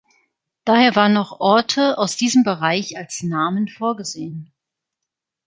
Daher waren auch Orte aus diesem Bereich als Namen vorgesehen.